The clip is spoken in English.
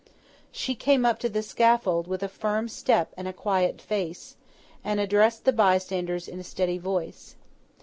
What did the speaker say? She came up to the scaffold with a firm step and a quiet face, and addressed the bystanders in a steady voice.